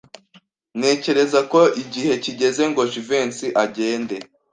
Ntekereza ko igihe kigeze ngo Jivency agende.